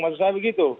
maksud saya begitu